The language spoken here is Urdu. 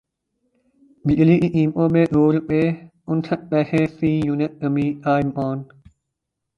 بجلی کی قیمتوں میں دو روپے انسٹھ پیسے فی یونٹ کمی کا امکان